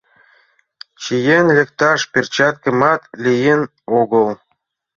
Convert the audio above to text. Чиен лекташ перчаткымат лийын огыл.